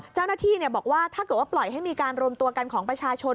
เจ้าหน้าที่บอกว่าถ้าเกิดว่าปล่อยให้มีการรวมตัวกันของประชาชน